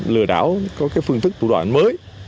lừa đảo có cái phương thức tụ đoạn mới